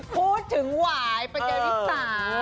พูดถึงหวายในปัญญาณศิลป์